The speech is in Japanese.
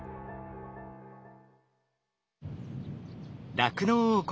酪農王国